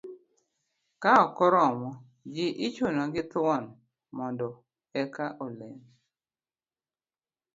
ka ok oromo, ji ichuno gi thuon mondo eka olem